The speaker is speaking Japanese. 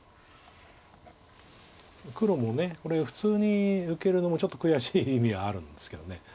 黒もこれ普通に受けるのもちょっと悔しい意味はあるんですけど。